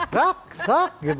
kak kak gitu